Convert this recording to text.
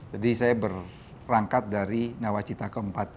jadi saya berangkat dari nawacita keempat